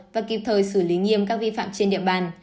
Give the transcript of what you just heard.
và kịp thời xử lý nghiêm các vi phạm trên địa bàn